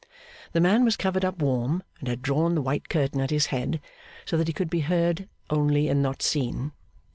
The man was covered up warm, and had drawn the white curtain at his head, so that he could be only heard, not seen.